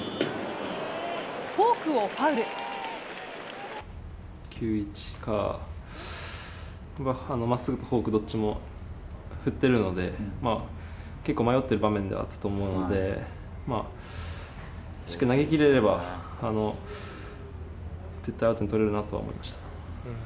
９ー１か、まっすぐとフォーク、どっちも振ってるので、結構、迷ってる場面ではあったと思うので、しっかり投げきれれば、絶対アウト取れるなとは思いました。